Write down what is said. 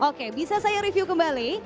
oke bisa saya review kembali